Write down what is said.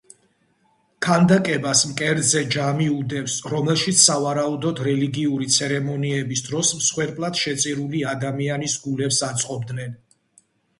ქანდაკებას მკერდზე ჯამი უდევს, რომელშიც სავარაუდოდ რელიგიური ცერემონიების დროს მსხვერპლად შეწირული ადამიანის გულებს აწყობდნენ.